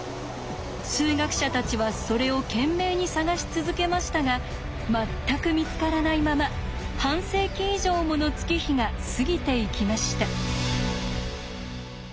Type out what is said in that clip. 数学者たちはそれを懸命に探し続けましたが全く見つからないまま半世紀以上もの月日が過ぎていきました。